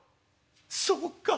そうか」。